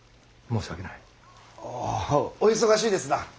あお忙しいですな。